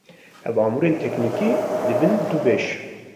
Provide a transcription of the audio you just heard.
Ev amûrên teknîkî dibin du beş.